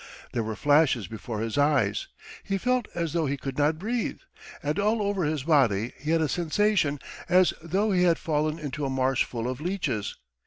There were flashes before his eyes, he felt as though he could not breathe, and all over his body he had a sensation as though he had fallen into a marsh full of leeches.